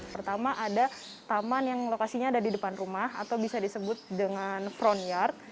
pertama ada taman yang lokasinya ada di depan rumah atau bisa disebut dengan front yard